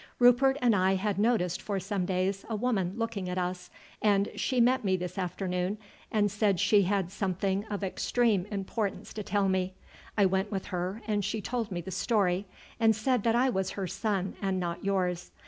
"Rupert and I had noticed for some days a woman looking at us, and she met me this afternoon and said she had some thing of extreme importance to tell me. I went with her and she told me the story, and said that I was her son and not yours.